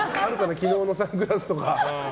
昨日のサングラスとか。